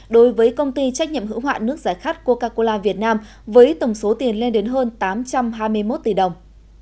đối với công ty trách nhiệm hữu hoạ nước giải khát coca cola việt nam với tổng số tiền lên đến hơn tám trăm hai mươi một tỷ đồng